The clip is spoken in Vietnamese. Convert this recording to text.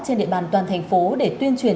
trên địa bàn toàn thành phố để tuyên truyền